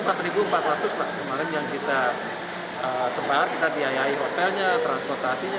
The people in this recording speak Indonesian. empat ratus lah kemarin yang kita sebar kita diayahi hotelnya transportasinya